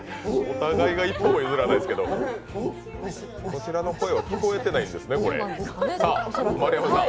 互いが一歩も譲らないですけど、こちらの声は聞こえてないんですね、これ。